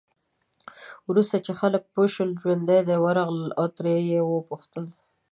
وروسته چې خلک پوه شول ژوندي دی، ورغلل او ترې یې وپوښتل.